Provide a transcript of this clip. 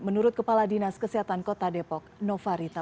menurut kepala dinas kesehatan kota depok novarita